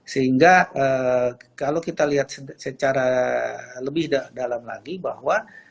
sehingga kalau kita lihat secara lebih dalam lagi bahwa